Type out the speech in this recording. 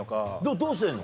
どうしてんの？